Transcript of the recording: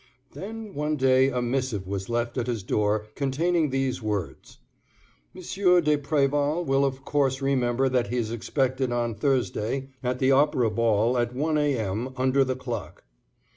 Then one day a missive was left at his door containing these words: "M. de Préval will of course remember that he is expected on Thursday at the Opera Ball at one A.M., under the clock."